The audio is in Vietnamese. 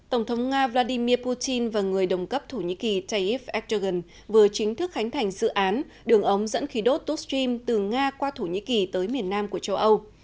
tổng thống nga vladimir putin và người đồng cấp thổ nhĩ kỳ tayyip erdogan vừa chính thức khánh thành dự án đường ống dẫn khí đốt tustream từ nga qua thổ nhĩ kỳ tới miền nam của châu âu